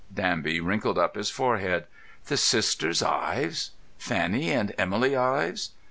Danby wrinkled up his forehead. "The Sisters Ives? Fanny and Emily Ives?"